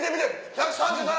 １３７！